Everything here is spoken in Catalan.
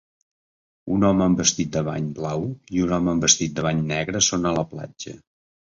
Un home amb vestit de bany blau i un home amb vestit de bany negre són a la platja.